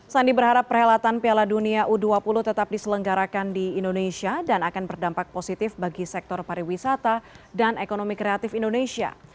sandi berharap perhelatan piala dunia u dua puluh tetap diselenggarakan di indonesia dan akan berdampak positif bagi sektor pariwisata dan ekonomi kreatif indonesia